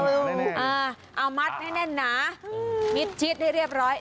เอามัดให้แน่นหนามิดชิดให้เรียบร้อย